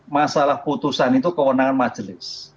masalah putusan itu kewenangan majelis